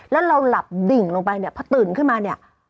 แล้วเราหลับดิ่งลงไปเนี่ยพอตื่นขึ้นมาเนี่ย